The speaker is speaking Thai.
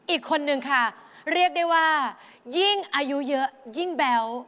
อีกคนนึงค่ะเรียกได้ว่ายิ่งอายุเยอะยิ่งแบ๊ว